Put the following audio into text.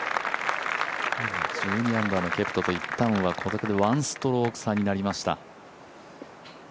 １２アンダーのケプカと、これで１ストローク差になりました。